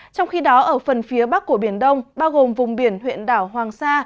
trong khi đó ở phần phía bắc của biển đông bao gồm vùng biển huyện đảo hoàng sa